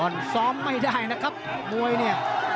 ซ้อมไม่ได้นะครับมวยเนี่ย